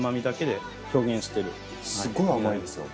すごい甘いですよ。